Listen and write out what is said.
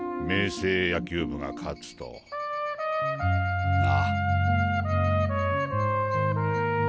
青野球部が勝つとな。